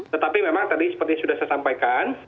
tetapi memang tadi seperti sudah saya sampaikan